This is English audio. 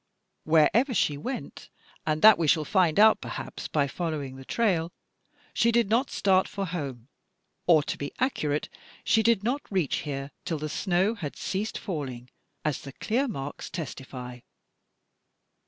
Wherever she went, and that we shall find out perhaps by following the trail, she did not start for home, or to be accurate, she did not reach here, till the snow had ceased falling, as the clear marks testify."